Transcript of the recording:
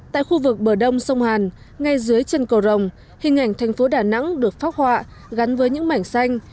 tại khu vực bờ đông sông hàn ngay dưới chân cầu rồng hình ảnh thành phố đà nẵng được phát họa gắn với những mảng xanh